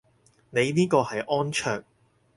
你呢個係安卓